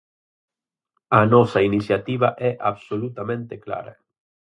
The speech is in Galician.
A nosa iniciativa é absolutamente clara.